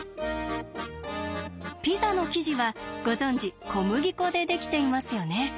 ピザの生地はご存じ小麦粉でできていますよね。